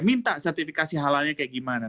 minta sertifikasi halalnya kayak gimana